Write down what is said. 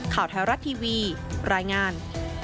ข่าวไทยรัฐทีวีรายงาน